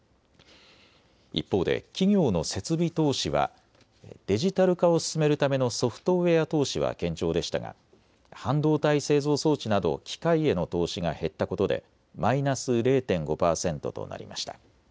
一方で企業の設備投資はデジタル化を進めるためのソフトウエア投資は堅調でしたが半導体製造装置など機械への投資が減ったことでマイナス０．５％となりました。